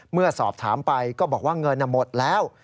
เมื่อสอบถามไปก็บอกว่าเงินหมดแล้ว